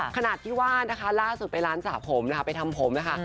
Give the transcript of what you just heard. ขนาดที่ว่าล่าสกษมณฑ์ไปร้านสาผมนะคะไปทำผมนะคะ